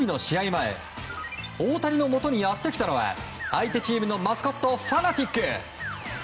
前大谷のもとにやってきたのは相手チームのマスコットファナティック。